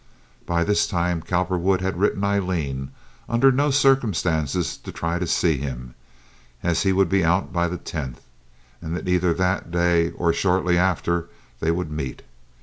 By this time, Cowperwood had written Aileen under no circumstances to try to see him, as he would be out by the tenth, and that either that day, or shortly after, they would meet.